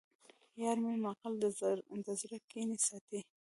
یارمی مغل د زړه کینې ساتي